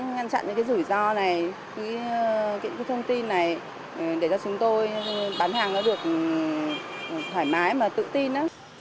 ngăn chặn những cái rủi ro này những cái thông tin này để cho chúng tôi bán hàng nó được thoải mái mà tự tin